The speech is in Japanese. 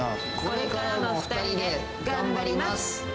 これからも２人で頑張ります。